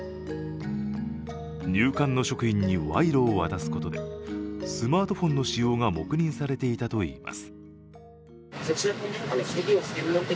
入管の職員に賄賂を渡すことでスマートフォンの使用が黙認されていたといいます。